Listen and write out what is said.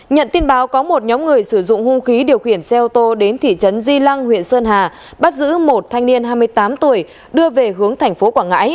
nhận tin báo có một nhóm người sử dụng hung khí điều khiển xe ô tô đến thị trấn di lăng huyện sơn hà bắt giữ một thanh niên hai mươi tám tuổi đưa về hướng thành phố quảng ngãi